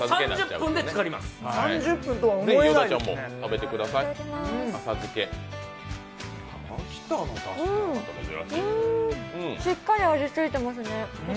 うーん、しっかり味ついてますね。